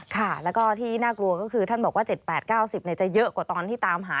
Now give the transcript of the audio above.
ค่ะแล้วก็ที่น่ากลัวก็คือท่านบอกว่า๗๘๙๐จะเยอะกว่าตอนที่ตามหา